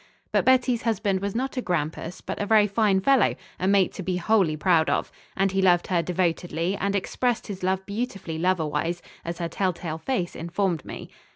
But Betty's husband was not a grampus, but a very fine fellow, a mate to be wholly proud of: and he loved her devotedly and expressed his love beautifully loverwise, as her tell tale face informed me.